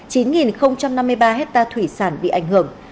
chín năm mươi ba hectare thủy sản bị ảnh hưởng